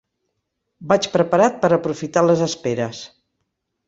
Vaig preparat per aprofitar les esperes.